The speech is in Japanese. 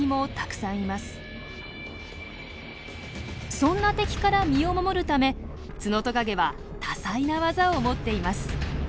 そんな敵から身を守るためツノトカゲは多彩な技を持っています。